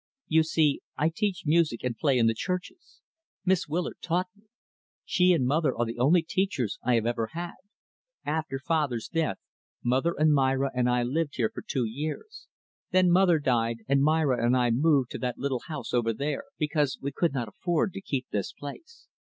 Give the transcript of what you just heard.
You see, I teach music and play in the churches. Miss Willard taught me. She and mother are the only teachers I have ever had. After father's death, mother and Myra and I lived here for two years; then mother died, and Myra and I moved to that little house over there, because we could not afford to keep this place.